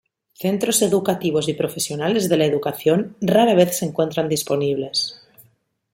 Centros educativos y profesionales de la educación rara vez se encuentran disponibles.